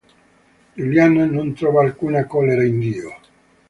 Giuliana non trova alcuna collera in Dio.